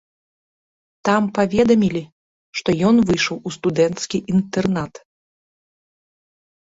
Там паведамілі, што ён выйшаў у студэнцкі інтэрнат.